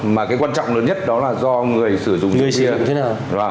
mà cái quan trọng lớn nhất đó là do người sử dụng rượu bia